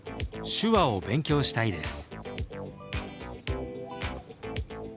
「手話を勉強したいです」。